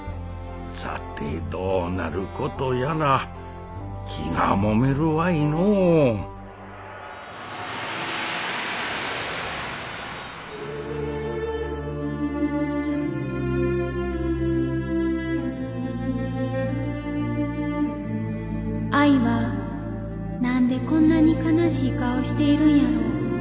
さてどうなることやら気がもめるわいのう愛は何でこんなに悲しい顔しているんやろ。